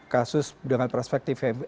kasus dengan perspektif